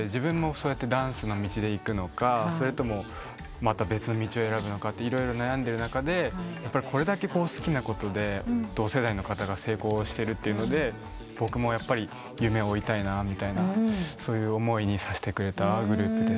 そうやってダンスの道でいくのかそれとも別の道を選ぶのか色々悩んでる中でこれだけ好きなことで同世代の方が成功してるというので僕も夢を追いたいなという思いにさせてくれたグループですね。